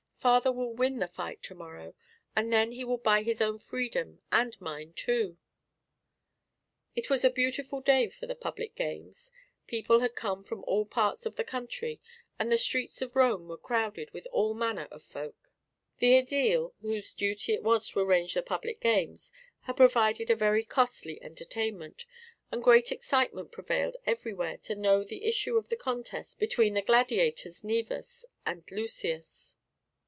"Father will win the fight to morrow, and then he will buy his own freedom and mine, too." It was a beautiful day for the Public Games. People had come from all parts of the country, and the streets of Rome were crowded with all manner of folk. The AEdile whose duty it was to arrange the Public Games had provided a very costly entertainment, and great excitement prevailed everywhere to know the issue of the contest between the gladiators Naevus and Lucius.